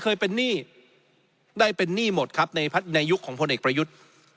เคยเป็นหนี้ได้เป็นหนี้หมดครับในยุคของพลเอกประยุทธ์